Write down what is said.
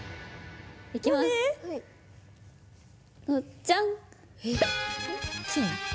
じゃん！